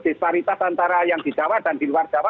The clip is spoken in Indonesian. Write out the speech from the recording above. disparitas antara yang di jawa dan di luar jawa